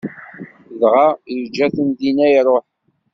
Dɣa yeǧǧa-ten dinna, iṛuḥ.